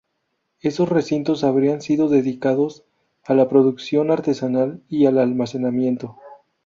Esos recintos habrían sido dedicados a la producción artesanal y al almacenamiento.